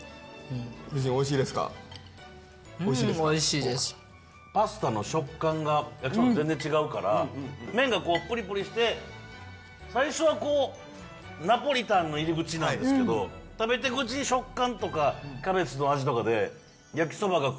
うんおいしいですパスタの食感が焼きそばと全然違うから麺がこうプリプリして最初はこうナポリタンの入り口なんですけど食べてくうちに食感とかキャベツの味とかで焼きそばが